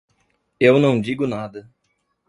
Eu não digo nada.